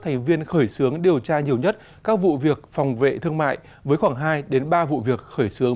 thành viên khởi xướng điều tra nhiều nhất các vụ việc phòng vệ thương mại với khoảng hai ba vụ việc khởi xướng